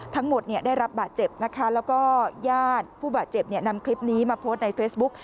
ทั้งหมดได้รับบาดเจ็บนะคะแล้วก็ญาติผู้บาดเจ็บนำคลิปนี้มาโพสต์ในเฟซบุ๊ก